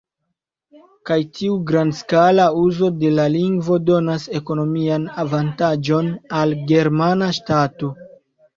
Kaj tiu grandskala uzo de la lingvo donas ekonomian avantaĝon al la germana ŝtato.